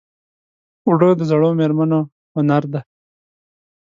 اوړه د زړو مېرمنو هنر دی